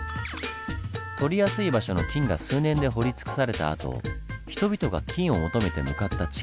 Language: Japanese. とりやすい場所の金が数年で掘り尽くされたあと人々が金を求めて向かった地下。